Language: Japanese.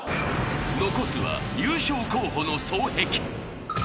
［残すは優勝候補の双璧］